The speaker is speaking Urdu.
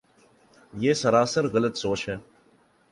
یہ سراسر غلط سوچ ہے۔